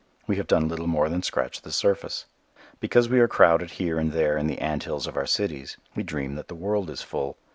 We have done little more than scratch the surface. Because we are crowded here and there in the ant hills of our cities, we dream that the world is full.